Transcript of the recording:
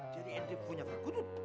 jadi andri punya perkutut